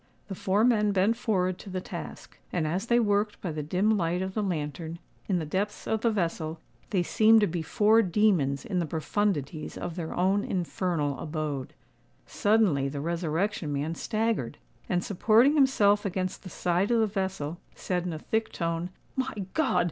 The four men bent forward to the task; and as they worked by the dim light of the lantern, in the depths of the vessel, they seemed to be four demons in the profundities of their own infernal abode. Suddenly the Resurrection Man staggered, and, supporting himself against the side of the vessel, said in a thick tone, "My God!